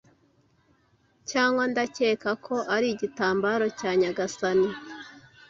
Cyangwa ndakeka ko ari igitambaro cya Nyagasani,